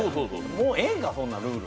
もうええんか、そんなルール？